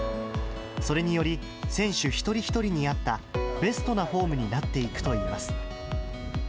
それにより、選手一人一人に合ったベストなフォームになっていくといいます。